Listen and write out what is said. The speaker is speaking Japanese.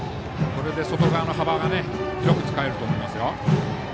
これで外側の幅が広く使えると思いますよ。